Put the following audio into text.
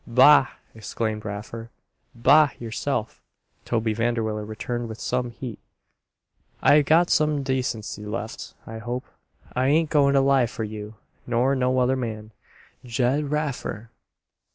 "Bah!" exclaimed Raffer. "Bah, yourself!" Toby Vanderwiller returned with some heat. "I got some decency left, I hope. I ain't goin' to lie for you, nor no other man, Ged Raffer!"